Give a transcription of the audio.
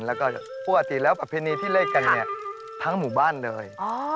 แล้วก็ปกติแล้วประเพณีที่เล่นกันเนี่ยทั้งหมู่บ้านเลย